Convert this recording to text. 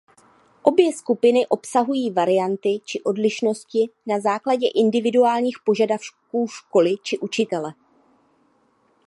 Obě skupiny obsahují varianty či odlišnosti na základě individuálních požadavků školy či učitele.